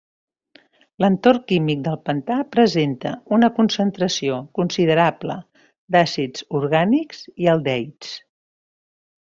L'entorn químic del pantà presenta una concentració considerable d'àcids orgànics i aldehids.